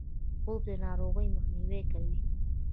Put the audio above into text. خوب د ناروغیو مخنیوی کوي